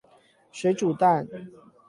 水煮蛋